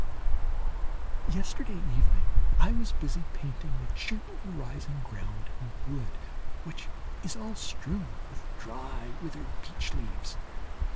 ...Yesterday evening I was busy painting the gently rising ground in the wood, which is all strewn with dry withered beech leaves.